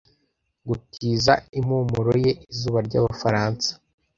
gutiza impumuro ye izuba ryabafaransa